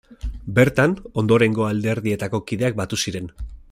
Bertan ondorengo alderdietako kideak batu ziren.